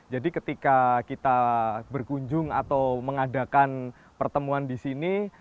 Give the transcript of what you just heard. jadi ketika kita berkunjung atau mengadakan pertemuan di sini